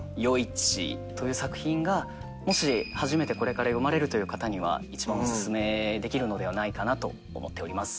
もし初めてこれから読まれるという方には一番おすすめできるのではないかなと思っております。